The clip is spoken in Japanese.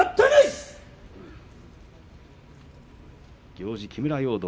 行司木村容堂